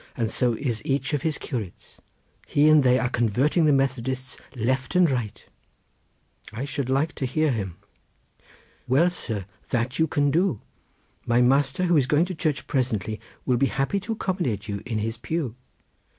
and so is each of his curates; he and they are convarting the Methodists left and right." "I should like to hear him." "Well, sir! that you can do. My master, who is going to church presently, will be happy to accommodate you in his pew."